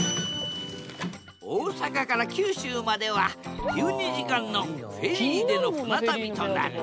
大阪から九州までは１２時間のフェリーでの船旅となる。